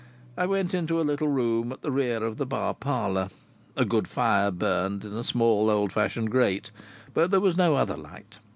I went into a little room at the rear of the bar parlour. A good fire burned in a small old fashioned grate, but there was no other light.